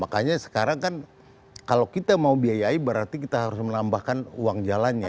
makanya sekarang kan kalau kita mau biayai berarti kita harus menambahkan uang jalannya